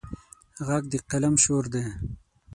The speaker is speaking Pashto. غږ د قلم شور دی